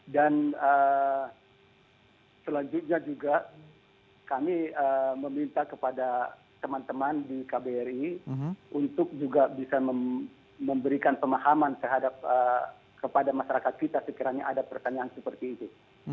dan selanjutnya juga kami meminta kepada teman teman di kbi untuk juga bisa memberikan pemahaman kepada masyarakat kita sekiranya ada pertanyaan seperti itu